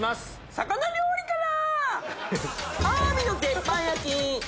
魚料理から。